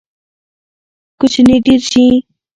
کوچي ډیر شي